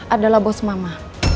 adalah bos mama